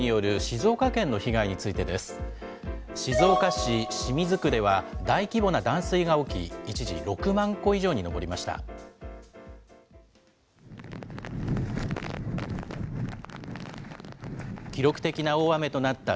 静岡市清水区では、大規模な断水が起き、一時６万戸以上に上りました。